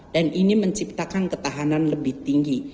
dan ini menciptakan ketahanan lebih tinggi